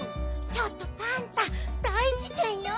ちょっとパンタ大じけんよ。